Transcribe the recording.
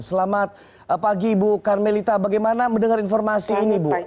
selamat pagi ibu karmelita bagaimana mendengar informasi ini bu